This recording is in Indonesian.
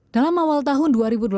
dalam awal tahun dua ribu delapan belas